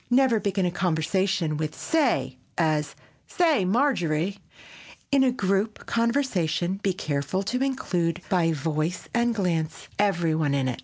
Never begin a conversation with "Say," as "Say, Marjorie." In a group conversation be careful to include, by voice and glance, every one in it.